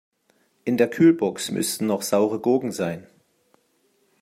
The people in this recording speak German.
In der Kühlbox müssten noch saure Gurken sein.